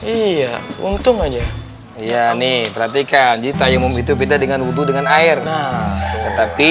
iya untung aja ya nih perhatikan jadi tayumum itu beda dengan wudhu dengan air nah tetapi